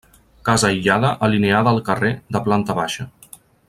Casa aïllada, alineada al carrer, de planta baixa.